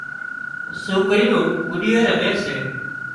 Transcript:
سوڪريون گڏيئي رمي سي